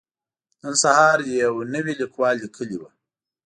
نن سهار يو نوي ليکوال ليکلي وو.